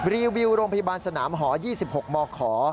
รีวิวโรงพยาบาลสนามหอ๒๖มข